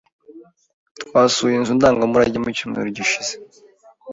Twasuye inzu ndangamurage mu cyumweru gishize.